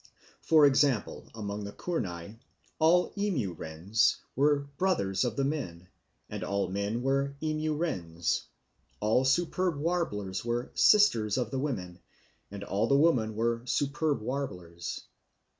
For example, among the Kurnai all emu wrens were "brothers" of the men, and all the men were emu wrens; all superb warblers were "sisters" of the women, and all the women were superb warblers.